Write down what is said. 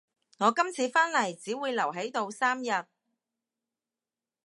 我今次返嚟只會留喺度三日